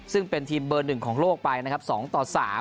ซึ่งเป็นทีมเบอร์๑ของโลกไปนะครับ๒ต่อ๓